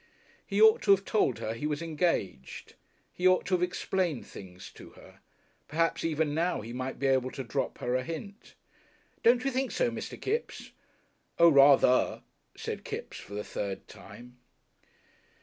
He ought to have told her he was engaged. He ought to have explained things to her. Perhaps even now he might be able to drop her a hint. "Don't you think so, Mr. Kipps?" "Oo rather," said Kipps for the third time.